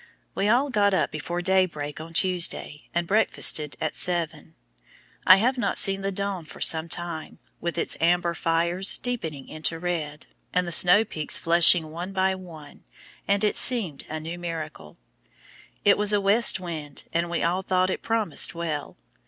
We all got up before daybreak on Tuesday, and breakfasted at seven. I have not seen the dawn for some time, with its amber fires deepening into red, and the snow peaks flushing one by one, and it seemed a new miracle. It was a west wind, and we all thought it promised well.